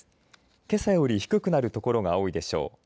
けさより低くなる所が多いでしょう。